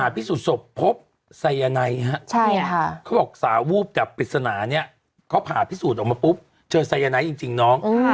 พิสูจน์ออกมาปุ๊บเจอไซยาไนท์จริงน้อง